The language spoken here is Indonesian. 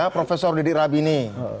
prof didi rabini